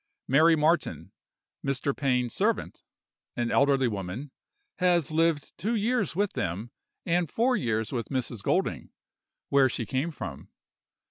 Mary Martin, Mr. Pain's servant, an elderly woman, has lived two years with them and four years with Mrs. Golding, where she came from.